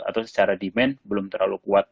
atau secara demand belum terlalu kuat